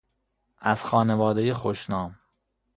از خانوادهی خوشنام